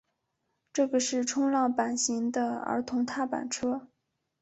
这个是冲浪板型的儿童踏板车。